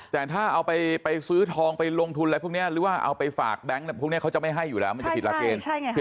แต่ถ้าเอาไปซื้อทองไปลงทุนอะไรพวกนี้หรือว่าเอาไปฝากแบงค์อะไรพวกนี้เขาจะไม่ให้อยู่แล้วมันจะผิดหลักเกณฑ์